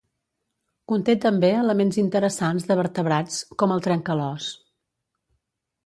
Conté també elements interessants de vertebrats, com el trencalòs.